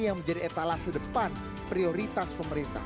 yang menjadi etalase depan prioritas pemerintah